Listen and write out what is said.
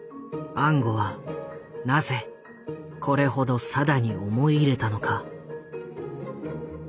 安吾はなぜこれほど定に思い入れたのか？